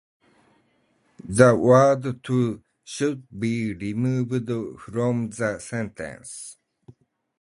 The word "to" should be removed from the sentence.